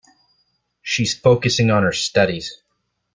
She's focusing on her studies.